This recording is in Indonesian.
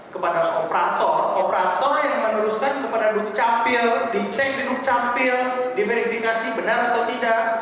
kepada operator operator yang meneruskan kepada duk capil dicek di duk capil diverifikasi benar atau tidak